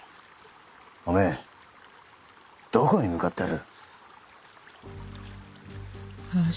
おめぇどこに向かってる？